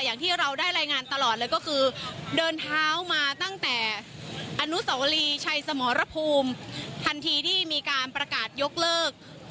อย่างที่เราได้รายงานตลอดเลยก็คือเดินเท้ามาตั้งแต่อนุสวรีชัยสมรภูมิทันทีที่มีการประกาศยกเลิก